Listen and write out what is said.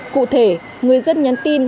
cụ thể người dân nhắn tin